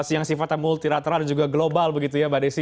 yang sifatnya multilateral dan juga global begitu ya mbak desi